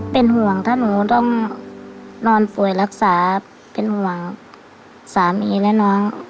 เป็นห่วงถ้าหนูต้องนอนป่วยรักษาเป็นห่วงสามีและน้อง